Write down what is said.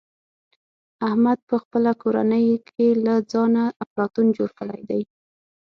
احمد په خپله کورنۍ کې له ځانه افلاطون جوړ کړی دی.